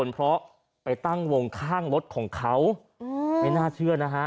เพราะไปตั้งวงข้างรถของเขาไม่น่าเชื่อนะฮะ